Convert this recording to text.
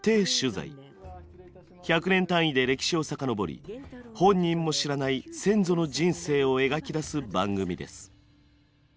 １００年単位で歴史を遡り本人も知らない先祖の人生を描き出す番組です。